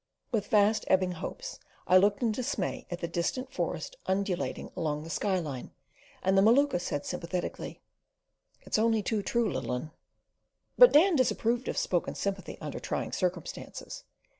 With fast ebbing hopes I looked in dismay at the distant forest undulating along the skyline, and the Maluka said sympathetically, "It's only too true, little un'." But Dan disapproved of spoken sympathy under trying circumstances.